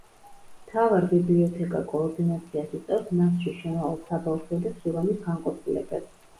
მთავარ ბიბლიოთეკა კოორდინაციას უწევს მასში შემავალ საბავშვო და სურამის განყოფილებებს.